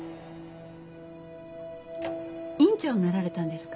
院長になられたんですか？